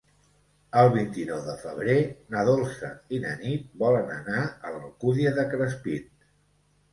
El vint-i-nou de febrer na Dolça i na Nit volen anar a l'Alcúdia de Crespins.